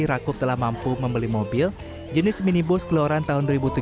rakup telah mampu membeli mobil jenis minibus keluaran tahun dua ribu tujuh belas